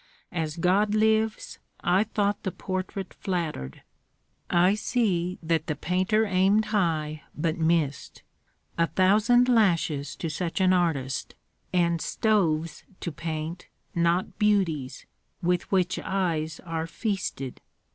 As God lives, I thought the portrait flattered. I see that the painter aimed high, but missed. A thousand lashes to such an artist, and stoves to paint, not beauties, with which eyes are feasted!